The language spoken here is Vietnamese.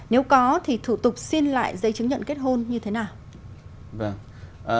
nếu có thì thủ tục xin lại giấy chứng nhận kết hôn như thế nào